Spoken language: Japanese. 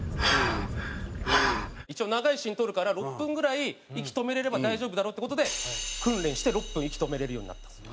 一応長いシーン撮るから６分ぐらい息止められれば大丈夫だろうっていう事で訓練して６分息止められるようになったんです。